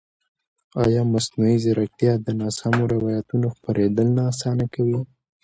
ایا مصنوعي ځیرکتیا د ناسمو روایتونو خپرېدل نه اسانه کوي؟